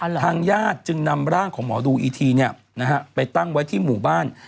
ทางญาติจึงนำร่างของหมอดูอีทีเนี่ยนะฮะไปตั้งไว้ที่หมู่บ้าน